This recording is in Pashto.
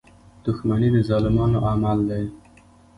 • دښمني د ظالمانو عمل دی.